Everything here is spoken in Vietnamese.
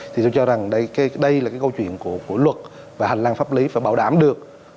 thì tôi cho rằng đây là cái câu chuyện của luật và hành lang pháp lý phải bảo đảm được